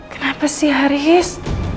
kenapa sih haris